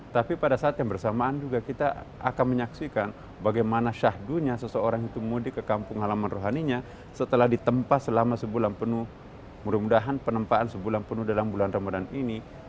tapi pada saat yang bersamaan juga kita akan menyaksikan bagaimana syahdunya seseorang itu mudik ke kampung halaman rohaninya setelah ditempa selama sebulan penuh mudah mudahan penempaan sebulan penuh dalam bulan ramadan ini